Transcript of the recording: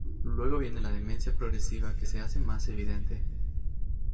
Luego viene la demencia progresiva que se hace más evidente.